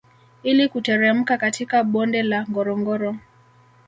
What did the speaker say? Ili kuteremka katika bonde la ngorongoro